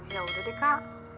ya udah deh kak